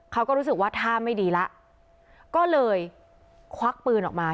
เขาก็รู้สึกว่าท่าไม่ดีแล้วก็เลยควักปืนออกมา